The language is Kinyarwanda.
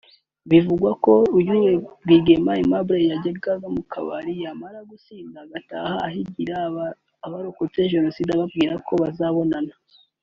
Bivugwa ko kandi uyu Rwangano Aimable yajyaga mu kabari yamara gusinda agataha ahigira abarokotse Jenoside ababwira ko bazabonana